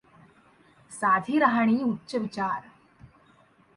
साधी राहणी उच्च विचार!